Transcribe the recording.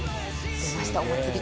出ましたお祭り。